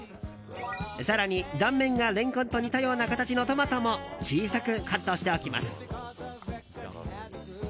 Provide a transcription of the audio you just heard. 更に、断面がレンコンと似たような形のトマトも小さくカットしておきます。